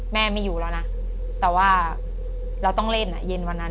ไม่อยู่แล้วนะแต่ว่าเราต้องเล่นเย็นวันนั้น